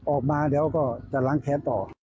ออกมาแล้วก็จะล้างแพ้ต่อ